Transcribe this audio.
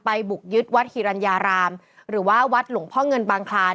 บุกยึดวัดฮิรัญญารามหรือว่าวัดหลวงพ่อเงินบางคลาน